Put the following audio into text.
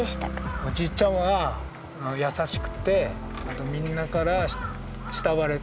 おじいちゃんは優しくてみんなから慕われて。